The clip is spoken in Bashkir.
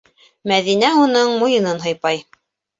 - Мәҙинә уның муйынын һыйпай.